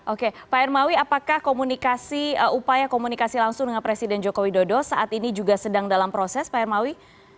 oke pak hermawi apakah komunikasi upaya komunikasi langsung dengan presiden joko widodo saat ini juga sedang dalam proses pak hermawi